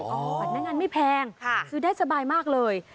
บัตรหน้างานไม่แพงซื้อได้สบายมากเลย